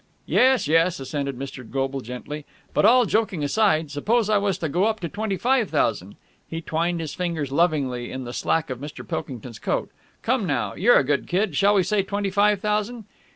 "Yes, yes," assented Mr. Goble gently. "But, all joking aside, suppose I was to go up to twenty five thousand...?" He twined his fingers lovingly in the slack of Mr. Pilkington's coat. "Come now! You're a good kid I Shall we say twenty five thousand?"